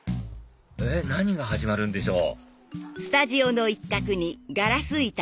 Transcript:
えっ何が始まるんでしょう？